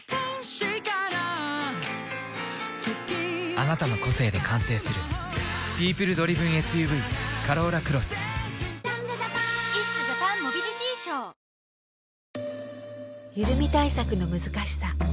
あなたの個性で完成する「ＰＥＯＰＬＥＤＲＩＶＥＮＳＵＶ カローラクロス」ゆるみ対策の難しさ